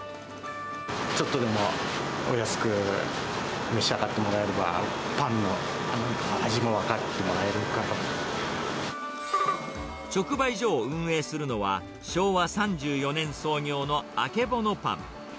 ちょっとでもお安く召し上がってもらえれば、直売所を運営するのは、昭和３４年創業のあけぼのパン。